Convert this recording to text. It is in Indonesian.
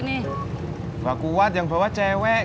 mbak kuat yang bawa cewek